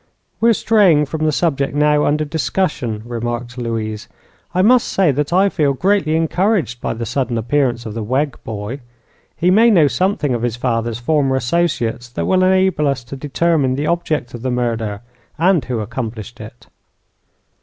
"We are straying from the subject now under discussion," remarked Louise. "I must say that I feel greatly encouraged by the sudden appearance of the Wegg boy. He may know something of his father's former associates that will enable us to determine the object of the murder and who accomplished it."